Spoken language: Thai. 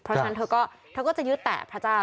เพราะฉะนั้นเธอก็จะยึดแต่พระเจ้า